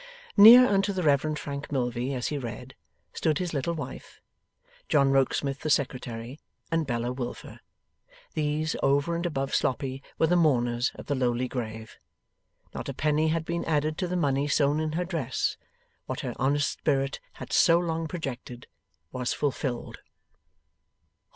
Near unto the Reverend Frank Milvey as he read, stood his little wife, John Rokesmith the Secretary, and Bella Wilfer. These, over and above Sloppy, were the mourners at the lowly grave. Not a penny had been added to the money sewn in her dress: what her honest spirit had so long projected, was fulfilled.